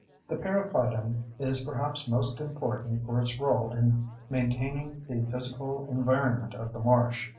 The periphyton is perhaps most important for its role in maintaining the physical environment of the marsh.